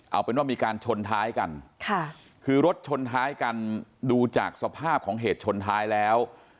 เอาเป็นว่ามีการชนท้ายกันค่ะคือรถชนท้ายกันดูจากสภาพของเหตุชนท้ายแล้ว